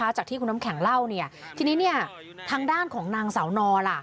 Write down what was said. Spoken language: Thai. มาตัวจากที่คุณน้ำแข็งเล่าเนี่ยทีนี้เนี้ยทางด้านของนางเศราณนอนล่ะ